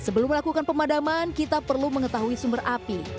sebelum melakukan pemadaman kita perlu mengetahui sumber api